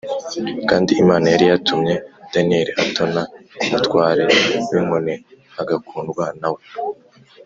Kandi Imana yari yatumye Daniyeli atona ku mutware w’inkone, agakundwa na we